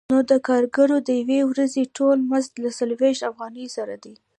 نو د کارګر د یوې ورځې ټول مزد له څلوېښت افغانیو سره دی